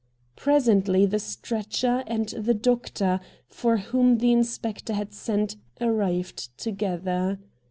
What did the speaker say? Pre sently the stretcher and the doctor, for whom the inspector had sent, arrived together.